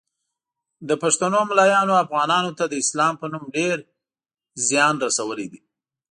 د پښتنو مولایانو افغانانو ته د اسلام په نوم ډیر ځیان رسولی دی